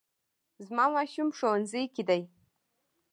زما ماشوم ښوونځي کې دی